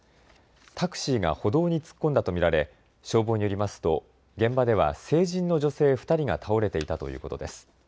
タクシーが歩道に突っ込んだと見られ消防によりますと現場では成人の女性２人が倒れていたということです。